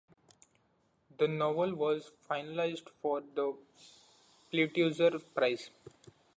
The novel was a finalist for the Pulitzer Prize.